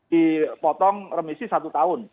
dipotong remisi satu tahun